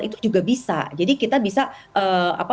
itu juga bisa jadi kita bisa apa